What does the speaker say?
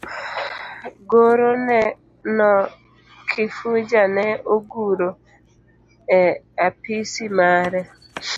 Goro no Kifuja ne oguro e apisi mare.